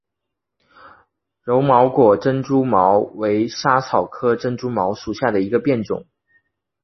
柔毛果珍珠茅为莎草科珍珠茅属下的一个变种。